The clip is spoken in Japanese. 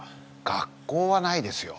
学校はないですよ。